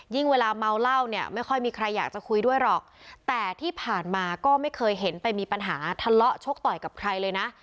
เวลาเมาเหล้าเนี่ยไม่ค่อยมีใครอยากจะคุยด้วยหรอกแต่ที่ผ่านมาก็ไม่เคยเห็นไปมีปัญหาทะเลาะชกต่อยกับใครเลยนะ